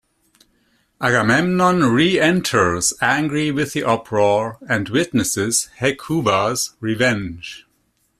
Agamemnon re-enters angry with the uproar and witnesses Hecuba's revenge.